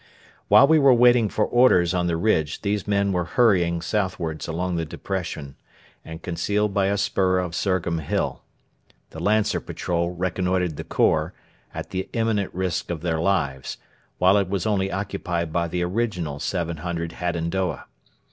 While we were waiting for orders on the ridge these men were hurrying southwards along the depression, and concealed by a spur of Surgham Hill. The Lancer patrol reconnoitred the khor, at the imminent risk of their lives, while it was only occupied by the original 700 Hadendoa.